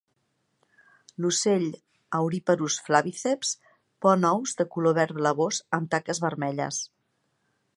L'ocell auriparus flaviceps pon ous de color verd blavós amb taques vermelles.